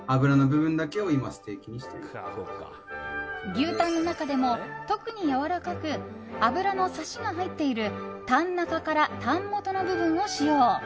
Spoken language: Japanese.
牛タンの中でも特にやわらかく脂のサシが入っているタン中からタン元の部分を使用。